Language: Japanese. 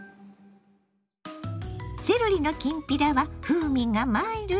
セロリのきんぴらは風味がマイルド。